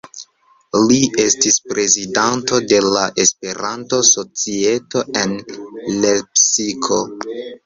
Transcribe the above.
Li estis prezidanto de la Esperanto-Societo en Lepsiko.